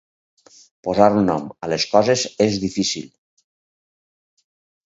Posar nom a les coses és difícil.